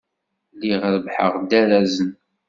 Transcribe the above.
Lliɣ rebbḥeɣ-d arrazen.